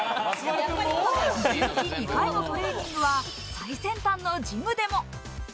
一日２回のトレーニングは最先端のジムでも。